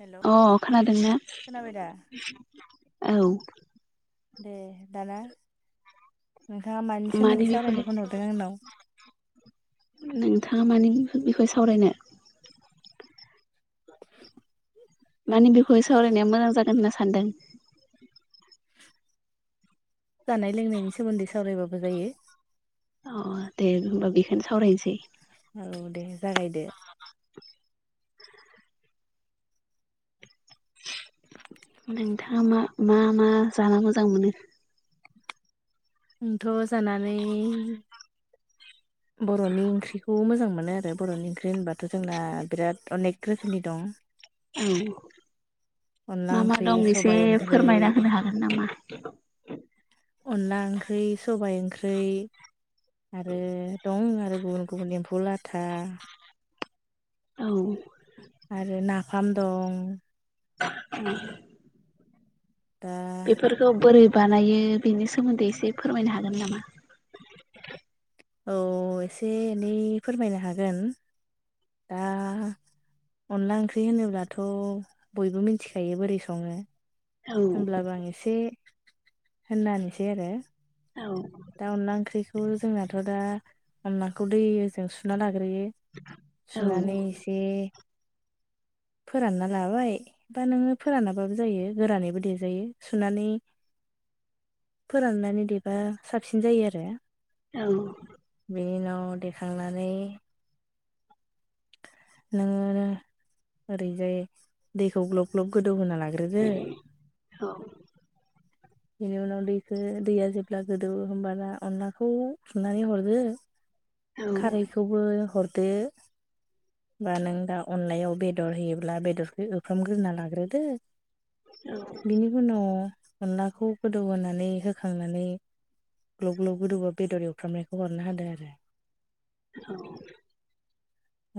हेल' अ खोनादोंना खोनाबाय दा औ दे दाना नोंथाङा मानि सोमोन्दै सावरायनो फनहरदों आंनाव? नोंथाङा माने‌ बेखौ सावरायनो माने बेखौहाय सावरायनाया मोजां जागोन होनना सानदों जानाय लोंनायनि सोमोन्दै सावरायबाबो जायो अ दे होनबा बेखौनो सावरायनोसै औ दे जागायदो [inaudible] [unintelligible] नोंथाङा मा मा मा जानो मोजां मोनो आंथ' जानानै बर'नि ओंख्रिखौ मोजां मोनो आरो बर'नि ओंख्रि होनबाथ' जोंना बिराद अनेक रोखोमनि दं औ अनला मा मा ओंख्रि दं एसे सबाइ ओंख्रै फोरमायना होनो हागोन नामा अनला ओंख्रोय सबाइ ओंख्रोय आरो दं आरो गुबुन गुबुन एम्फौ लाथा औ खाम दं [unintelligible] [inaudible] दा बेफोरखौ बोरै बानायो बेनि सोमोन्दै एसे फोरमायनो हागोन नामा औ एसे एनै फोरमायनो हागोन दा अनला ओंख्रि होनोब्लाथ' बयबो मिथिखायो बोरै सङो औ होमब्लाबो आं एसे होनना होनोसै आरो दा अनला ओंख्रिखौ जोंनाथ' दा अनलाखौ दैजों सुना लाग सग्रोयो औ सुनानै एसे [inaudible] [unintelligible] फोरानना लाबाय दा नोङो फोरानाबाबो जायो गोरानैबो देजायो सुनानै [inaudible] [inaudible] फोराननानै देबा साबसिन जायो आरो औ बिनि उनाव देखांनानै नोङो ओरैजाय दैखौ ग्लब ग्लब गोदौ होनोनाला ग्रोदो औ बेनि उनाव दैखौ दैया जेब्ला गोदौ होमबाना अनलाखौ खुरनानै हरदो खारैखौबो हरदो बा नों दा अनलायाव बेदर होयोब्ला बेदरखौ होफ्रामग्रोना लाग्रोदो औ बिनि उनाव अनलाखौ गोदौ होनोनानै होखांनानै ग्लब ग्लब गोदौआव बेदर एवफ्रामनायखौ हरनो होदो आरो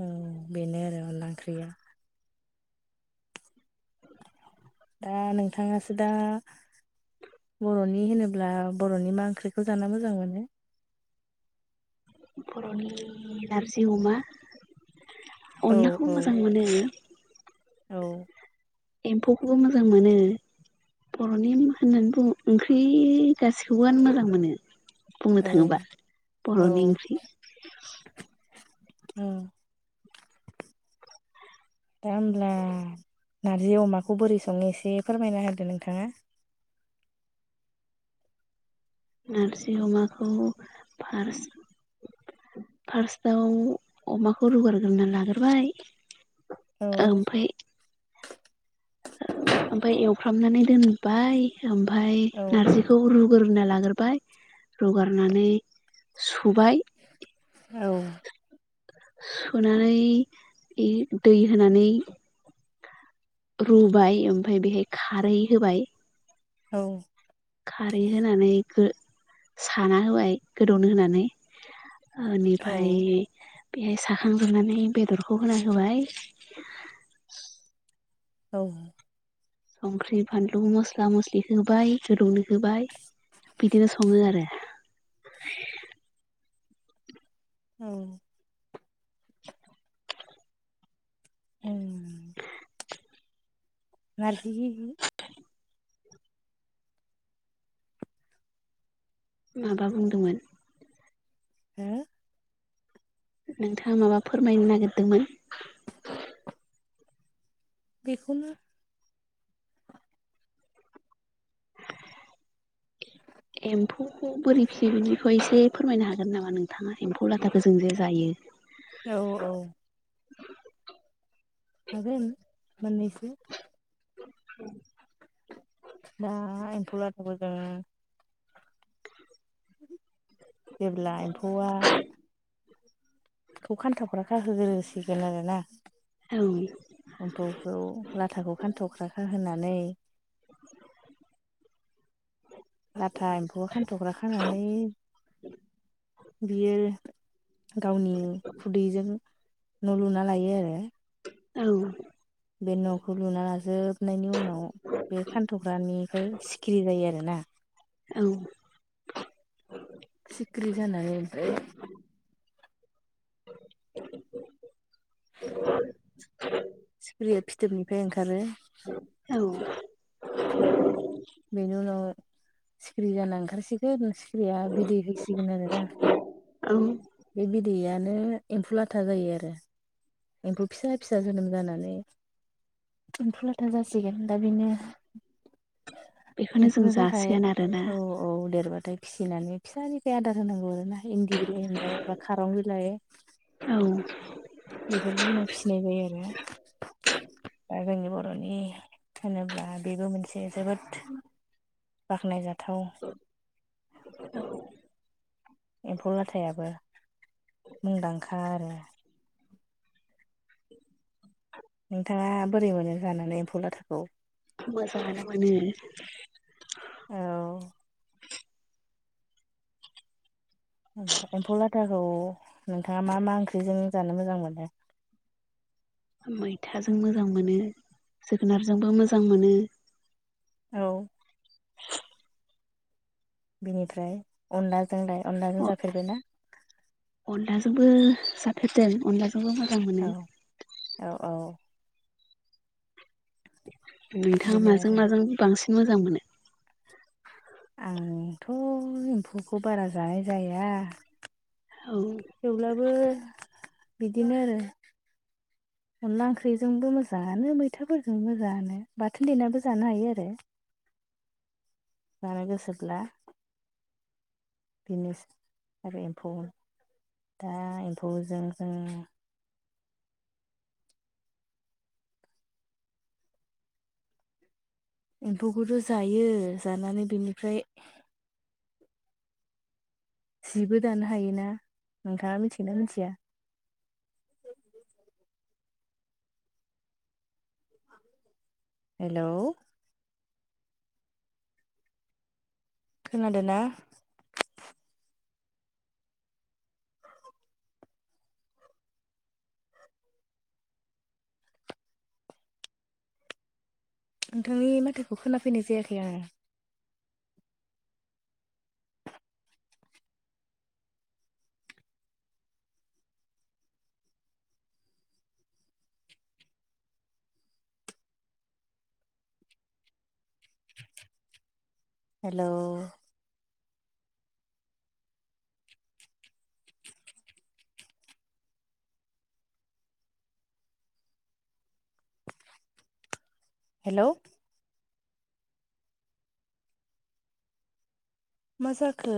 औ बेनो आरो अनला ओंख्रिया दा नोंथाङासो दा बर'नि होनोब्ला बर'नि मा ओंख्रिखौ जाना मोजां मोनो बर'नि नारजिं अमा औ अनलाखौबो औ मोजां मोनो औ एम्फौखौबो मोजां मोनो बर'नि होननानै बुङो ओंख्रि गासैखौबो आनो मोजां मोनो बुंनो औ थाङोबा बर'नि ओंख्रि औ दा होनब्ला नारजि अमाखौ बोरै सङो एसे फोरमायना होदो नोंथाङा नारजि अमाखौ फार्स्ट फार्स्टआव अमाखौ रुगारग्रोनानै लाग्रोबाय औ ओमफ्राय ओमफाय एवफ्रामनानै दोनबाय ओमफ्राय औ नारजिखौ रु ग्रोना लाग्रोबाय रुगारनानै सुबाय औ सुनानै दै होनानै रुबाय ओमफ्राय बेहाय खारै होबाय। औ खारै होनानै गो साना होबाय गोदौनो होनानै। बेनिफ्राय बेहाय साखांजोबनानै बेदरखौ होना होबाय औ संख्रि बानलु मस्ला मस्लि होबाय गोदौनो होबाय बिदिनो सङो आरो। औ होम नारजि माबा बुंदोंमोन? हो नोंथाङा माबा फोरमायनो नागिरदोंमोन? बेखौनो एम्फौखौ बोरै फिसियो बिनिखौ एसे फोरमायनो हागोन नामा नोंथाङा एम्फौ लाथाखौ जों जे जायो। औ औ हागोन मोननैसो औ दा एम्फौ लाथाखौ जोङो जेब्ला एम्फौआ खौ खान्थौ खानहोग्रोसिगोन आरो ना। औ एम्फौखौ लाथाखौ खानथ'खग्राखाहोनानै लाथा एम्फौआ खानथ'ग्रा खानानै बियो गावनि खुदैजों न' लुना लायो आरो। औ बे न'खौ लुना लाजोबनायनि उनाव बे खानथ'ग्रानिफ्राय सिखिरि जायो आरो ना। [unintelligible] औ सिख्रि जानाय सिख्रिया फिथोबनिफ्राय ओंखारो। औ बेनि उनाव सिखिरि जाना ओंखारसिगोन बिहा बिदै हैसिगोन आरोना। औ बे बिदैयानो एम्फौ लाथा जायो आरो। एम्फौ फिसा फिसा जोनोम जानानै एम्फु लाथा जासिगोन दा बिनो बेखौनो जों एम्फौनि थाखाय जासिगोन आरोना औ औ देरबा थाय फिसिनानै फिसानिफ्राय आदार होनांगौ आरो ना इन्दि बिलाइ होननाय बा खारं बिलाइ औ बेफोरखौ होना फिसिनाय जायो आरो ना। दा जोंनि बर'नि होनोब्ला बेबो मोनसे जोबोद बाखनायजाथाव हेलौ! एम्फौ लाथायाबो मुंदांखा आरो नोंथाङा बोरै मोनो जानानै एम्फौ लाथाखौ? मोजाङानो मोनो औ एम्फौ लाथाखौ नोंथाङा मा मा ओंख्रिजों जानो मोजां मोनो? [inaudible] मैथाजों मोजां मोनो, जोगोनारजोंबो मोजां मोनो, औ बिनिफ्राय अनलाजों लाय, अनलाजों जाफेरबायना? अनलाजोंबो जाफेरदों अनलाजोंबो मोजां मोनो। औ औ औ नोंथाङा बिनो माजों आरो माजों बांसिन मोजां मोनो? आंथ' एम्फौखौ बारा जानाय जाया। औ थेवब्लाबो बिदिनो आरो [inaudible] अनला ओंख्रिजोंबो मोजाङानो, मैथाफोरजोंबो मोजाङानो, बाथोन देनानैबो जानो हायो आरो। जानो गोसोब्ला बेनो आरो एम्फौ दा एम्फौजों जों एम्फौखौथ' जायो जानानै बिनिफ्राय जिबो दानो हायोना, नोंथाङा मिथिगोना मिथिया? [inaudible] हेलौ! खोनादों ना? नोंथांनि माथोखौ खोनाफैनाय जायाखै आं हेलौ! हेलौ! माजाखो?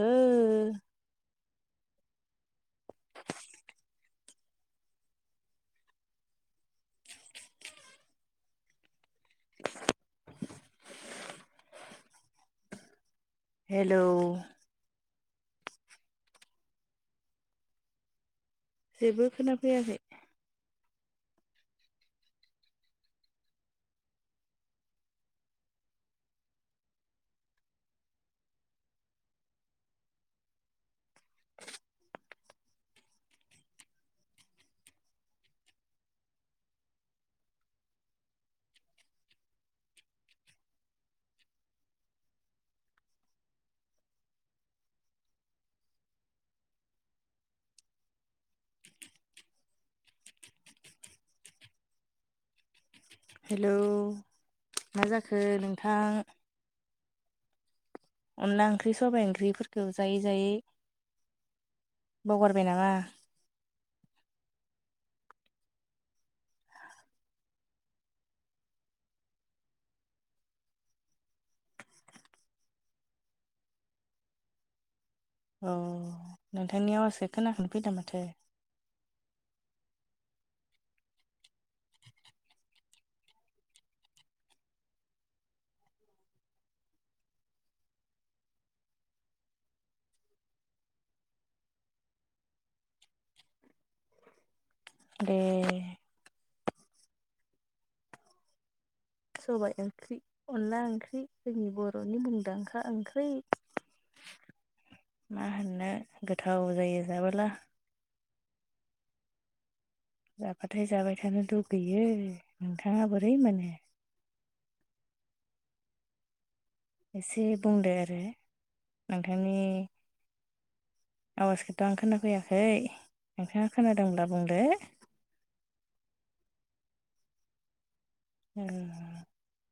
[inaudible] हेलौ! जेबो खोना फैयाखै हेलौ! मा जाखो नोंथां? अनला ओंख्रि, सबाय ओंख्रिफोरखौ जायै जायै बावगारबाय नामा? अ नोंथांनि आवयासखो खोनाखफैदों माथो ए सबायाइ ओंख्रि, अनला ओंख्रि जोंनि बर'नि मुंदांखा ओंख्रि [inaudible] मा होननो गोथाव जायो जाबोला। जाबाथाय जाबाय थानो लुगैयो, नोंथाङा बोरै मोनो? [inaudible] एसे बुंदो आरो नोंथांनि आवाजखौथ' आं खोनाफैयाखै, नोंथाङा खोनादोंब्ला बुंदो। उम